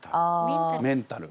メンタル。